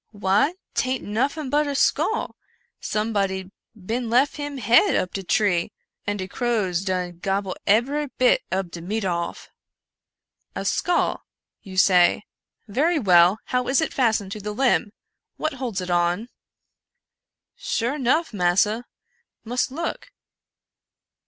"" Why 'taint noffin but a skull — somebody bin lef him head up de tree, and de crows done gobble ebery bit ob de meat off." " A skull, you say !— very well, — how is it fastened to the limb ?— what holds it on ?"" Sure nuff, massa ; mus look.